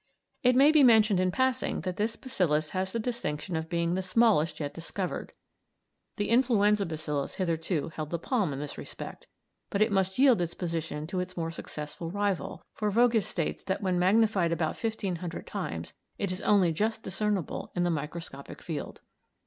It may be mentioned in passing that this bacillus has the distinction of being the smallest yet discovered; the influenza bacillus hitherto held the palm in this respect, but it must yield its position to its more successful rival, for Voges states that when magnified about fifteen hundred times it is only just discernible in the microscopic field.